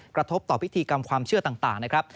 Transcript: กระทบต่อพิธีกรรมความเชื่อต่างนะครับ